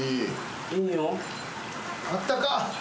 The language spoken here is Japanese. あったか。